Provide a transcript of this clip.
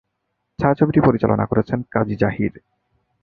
ছায়াছবিটি পরিচালনা করেছেন কাজী জহির।